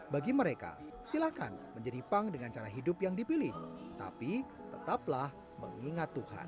bagi mereka silakan menjadi punk dengan cara hidup yang dipilih tapi tetaplah mengingat tuhan